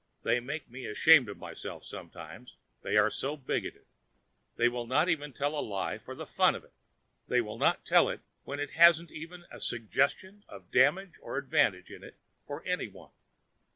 They make me ashamed of myself sometimes, they are so bigoted. They will not even tell a lie for the fun of it; they will not tell it when it hasn't even a suggestion of damage or advantage in it for any one.